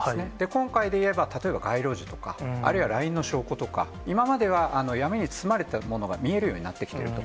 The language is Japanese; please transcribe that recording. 今回で言えば、例えば街路樹とか、あるいはＬＩＮＥの証拠とか、今までは闇に包まれていたものが見えるようになってきていると。